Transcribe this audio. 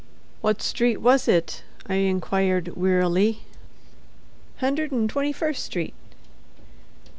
"What street was it?" I inquired, wearily. "Hundred 'n' twenty first street."